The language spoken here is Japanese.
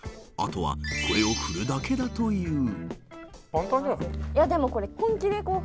あとはこれを振るだけだという。